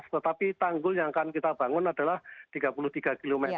tetapi tanggul yang akan kita bangun adalah tiga puluh tiga km